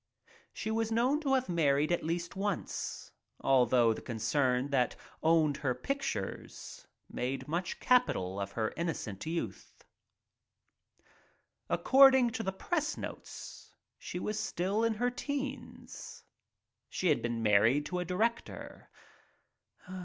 She was known to have been married at least once, although the concern that owned her pictures made much capital of her "innocent" youth. Accord ing to the press notices she was still in her teens. She had been married to a director.